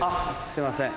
すいません